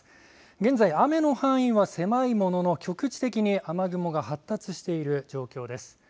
現在雨の範囲は狭いものの局地的に雨雲が発達している状況です。